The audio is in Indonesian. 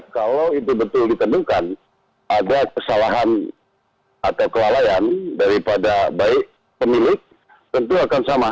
kalau itu betul ditentukan ada kesalahan atau kelalaian daripada baik pemilik tentu akan sama